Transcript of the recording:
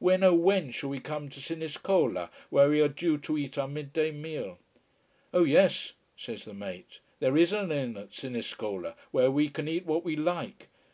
When, oh when shall we come to Siniscola, where we are due to eat our midday meal? Oh yes, says the mate. There is an inn at Siniscola where we can eat what we like.